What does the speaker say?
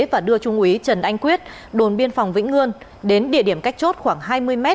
và đưa trung úy trần anh quyết đồn biên phòng vĩnh ngươn đến địa điểm cách chốt khoảng hai mươi m